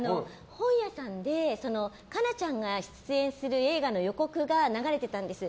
本屋さんで香菜ちゃんが出演する映画の予告が流れてたんです。